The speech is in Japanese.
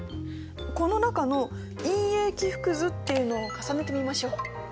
この中の「陰影起伏図」っていうのを重ねてみましょう。